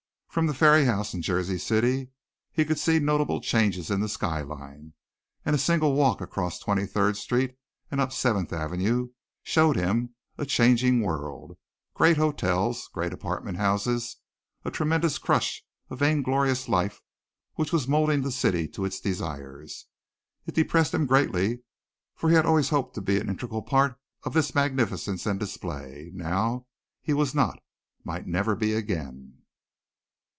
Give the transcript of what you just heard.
From the ferry house in Jersey City he could see notable changes in the skyline, and a single walk across Twenty third Street and up Seventh Avenue showed him a changing world great hotels, great apartment houses, a tremendous crush of vainglorious life which was moulding the city to its desires. It depressed him greatly, for he had always hoped to be an integral part of this magnificence and display and now he was not might never be again.